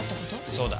そうだ。